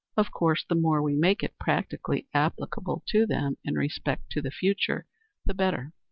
Of course, the more we make it practically applicable to them in respect to the future the better.